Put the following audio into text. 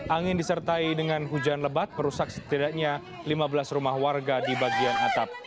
angin disertai dengan hujan lebat merusak setidaknya lima belas rumah warga di bagian atap